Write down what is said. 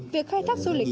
việc khai thác du lịch